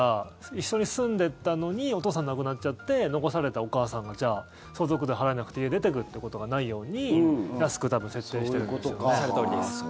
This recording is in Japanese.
一緒に住んでいたのにお父さん亡くなっちゃって残されたお母さんがじゃあ相続税払えなくて家を出ていくっていうことがないようにおっしゃるとおりです。